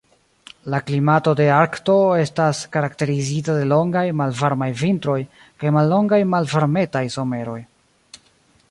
La klimato de Arkto estas karakterizita de longaj, malvarmaj vintroj kaj mallongaj, malvarmetaj someroj.